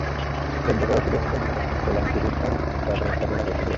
জব্দ করা ওষুধের মধ্যে অনুমোদনহীন স্যালাইন, সিরিঞ্জ এবং সরকারি হাসপাতালের ওষুধ রয়েছে।